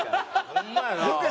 ホンマやな。